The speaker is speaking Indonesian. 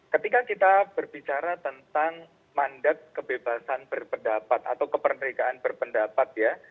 ketika kita berbicara tentang mandat kebebasan berpendapat atau kemerdekaan berpendapat ya